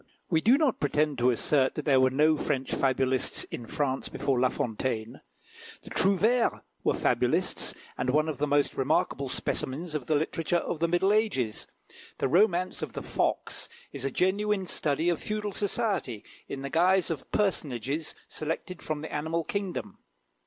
We do not pretend to assert that there were no French fabulists in France before La Fontaine. The Trouvères were fabulists, and one of the most remarkable specimens of the literature of the middle ages, the "Romance of the Fox," is a genuine study of feudal society, in the guise of personages selected from the animal kingdom.